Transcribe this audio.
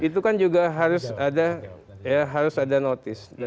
itu kan juga harus ada notice